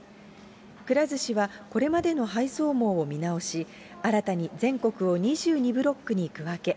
くら寿司はこれまでの配送網を見直し、新たに全国を２２ブロックに区分け。